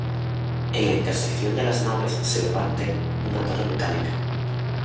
En la intersección de las naves se levante una torre metálica.